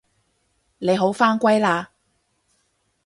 你好返歸喇